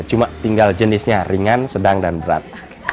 cuma tinggal jenisnya ringan sedang dan berat